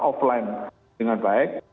offline dengan baik